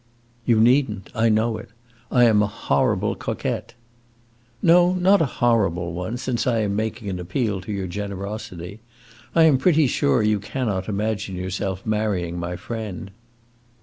"You need n't; I know it. I am a horrible coquette." "No, not a horrible one, since I am making an appeal to your generosity. I am pretty sure you cannot imagine yourself marrying my friend."